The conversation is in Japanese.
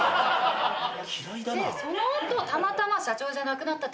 でその後たまたま社長じゃなくなったって聞いたの。